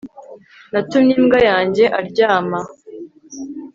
Natumye imbwa yanjye aryama